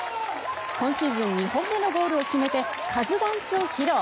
今シーズン２本目のゴールを決めてカズダンスを披露。